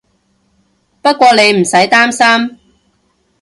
不過你唔使擔心